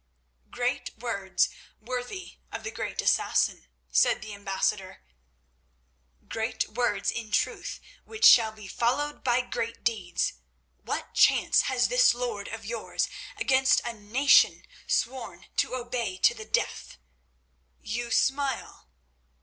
"Great words, worthy of the Great Assassin," said the ambassador. "Great words in truth, which shall be followed by great deeds. What chance has this lord of yours against a nation sworn to obey to the death? You smile?